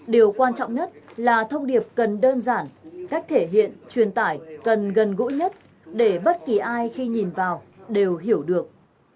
điều quan trọng nhất là thông điệp cần đơn giản cách thể hiện truyền tải cần gần gũi nhất để bất kỳ ai khi nhìn vào đều hiểu được